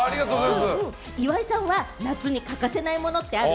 岩井さんは夏に欠かせないものってある？